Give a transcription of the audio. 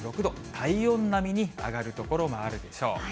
体温並みに上がる所もあるでしょう。